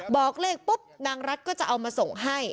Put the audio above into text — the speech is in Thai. บอกเลขปุ๊บนางรัฐก็จะเอามาส่งให้